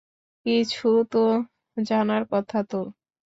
কিছু তো জানার কথা তোর।